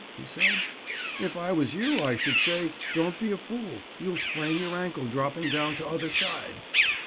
he said. "If it was you, I should say, 'Don't be a fool; you'll sprain your ankle dropping down t'other side.